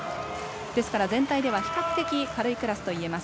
ですから、全体では比較的軽いクラスといえます。